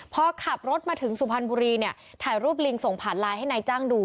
พอขับรถมาถึงสุพรรณบุรีเนี่ยถ่ายรูปลิงส่งผ่านไลน์ให้นายจ้างดู